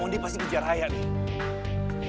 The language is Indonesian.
monde pasti kejar raya nih